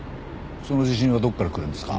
その自信はどこから来るんですか？